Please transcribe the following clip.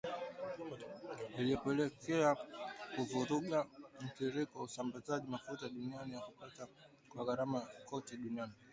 Iliyopelekea kuvuruga mtiririko wa usambazaji mafuta duniani na kupanda kwa gharama kote duniani.